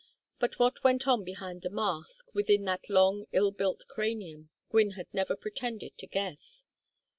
But what went on behind that mask, within that long ill built cranium, Gwynne had never pretended to guess.